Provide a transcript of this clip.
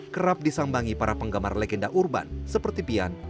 kerap disambangi para penggemar legenda urban seperti pian